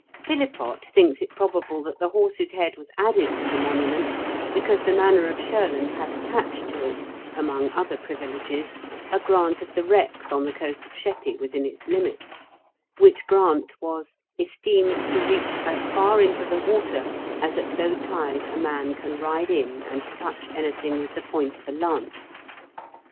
Philipott thinks it probable that the horse's head was added to the monument because the manor of Shurland had attached to it, among other privileges, a grant of the wrecks on the coast of Sheppey within its limits, which grant was " esteemed to reach as far into the water as at low tide a man can ride in and touch anything with the point of a lance."